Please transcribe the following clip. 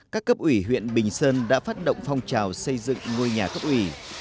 các cấp ủy huyện bình sơn đã phát động phong trào xây dựng ngôi nhà cấp ủy